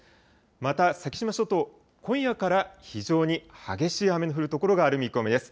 また先島諸島、今夜から非常に激しい雨の降る所がある見込みです。